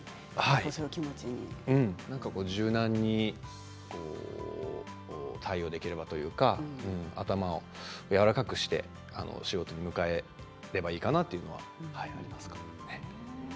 うんなんか柔軟に対応できればというか頭をやわらかくして仕事に向かえればいいかなというのはありますね。